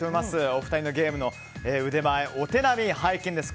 お二人のゲームの腕前お手並み拝見です。